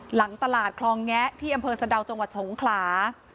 หลังตลาดคลองแงะที่อำเภอสะดาวจังหวัดสงขลา